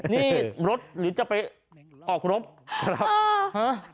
นี่รถหรือจะไปออกรถ